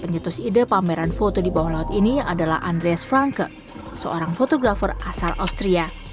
penyetus ide pameran foto di bawah laut ini adalah andreas frankke seorang fotografer asal austria